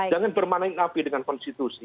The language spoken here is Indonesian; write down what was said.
jangan bermain api dengan konstitusi